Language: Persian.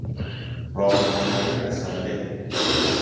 راهنمایی رساله